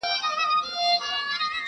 په للو دي هره شپه يم زنگولى،